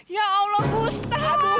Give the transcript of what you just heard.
ya allah gustaf